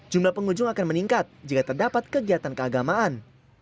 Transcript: jumlah pengunjung akan meningkat jika terdapat kegiatan keagamaan